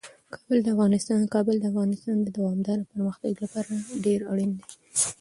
کابل د افغانستان د دوامداره پرمختګ لپاره ډیر اړین دی.